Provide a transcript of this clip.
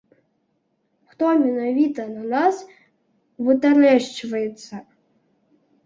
Хто менавіта на нас вытарэшчваецца.